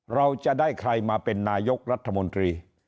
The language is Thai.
เราจะได้ใครมาเป็นนายกรัฐมนตรี